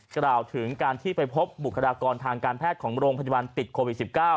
กล่าวถึงการที่ไปพบบุคลากรทางการแพทย์ของโรงพยาบาลติดโควิด๑๙